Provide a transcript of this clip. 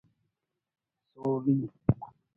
سوری